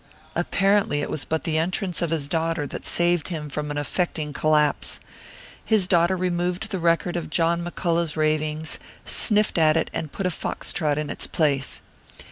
Apparently it was but the entrance of his daughter that saved him from an affecting collapse. His daughter removed the record of John McCullough's ravings, sniffed at it, and put a fox trot in its place.